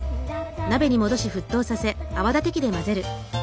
はい。